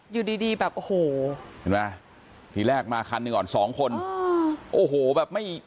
อยู่ดีดีแบบโอ้โหเห็นไหมทีแรกมาคันหนึ่งก่อนสองคนโอ้โหแบบไม่